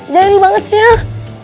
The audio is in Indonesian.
jari banget sih